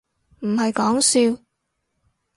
唔係講笑